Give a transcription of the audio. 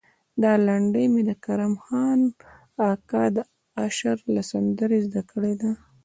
دا لنډۍ مې د کرم خان اکا د اشر له سندرې زده کړې ده.